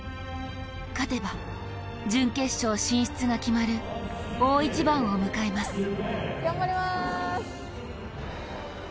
勝てば準決勝進出が決まる大一番を迎えます。